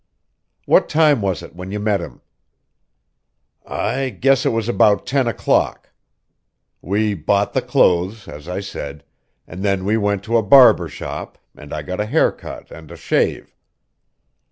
"What time was it when you met him?" "I guess it was about ten o'clock. We bought the clothes, as I said, and then we went to a barber shop, and I got a hair cut and a shave.